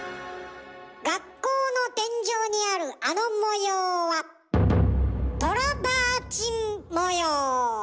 学校の天井にあるあの模様はトラバーチン模様。